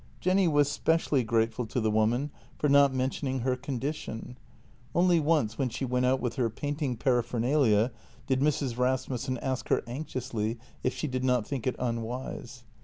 Jenny was specially grateful to the woman for JENNY 238 not mentioning her condition; only once when she went out with her painting paraphernalia did Mrs. Rasmussen ask her anxiously if she did not think it unwise.